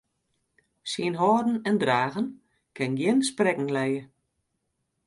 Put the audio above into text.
Syn hâlden en dragen kin gjin sprekken lije.